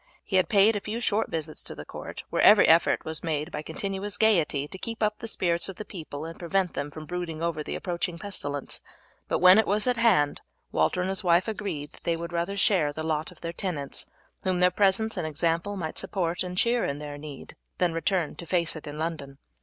He had paid a few short visits to the court, where every effort was made by continuous gaiety to keep up the spirits of the people and prevent them from brooding over the approaching pestilence; but when it was at hand Walter and his wife agreed that they would rather share the lot of their tenants, whom their presence and example might support and cheer in their need, than return to face it in London.